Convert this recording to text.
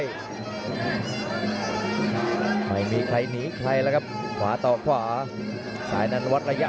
ไม่มีใครหนีใครแล้วครับขวาต่อขวาสายนันวัดระยะ